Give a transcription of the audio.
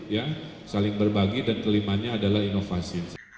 ya saling berbagi dan kelimanya adalah inovasi